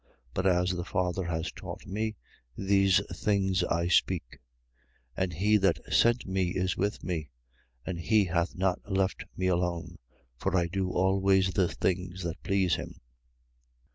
But as the Father hath taught me, these things I speak. 8:29. And he that sent me is with me: and he hath not left me alone. For I do always the things that please him.